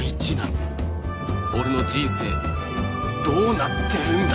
俺の人生どうなってるんだ！？